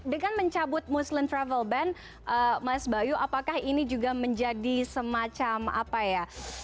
dengan mencabut muslim travel ban mas bayu apakah ini juga menjadi semacam apa ya